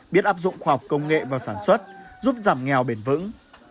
biết áp dụng khoa học công nghệ vào sản xuất giúp giảm nghèo bền vững